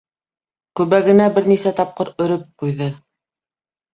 Көбәгенә бер нисә тапҡыр өрөп ҡуйҙы.